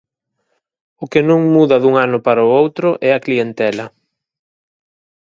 O que non muda dun ano para outro é a clientela.